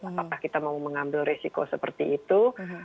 apakah kita mau mengambil resiko seperti itu